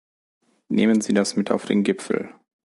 Nehmen Sie das mit auf den Gipfel.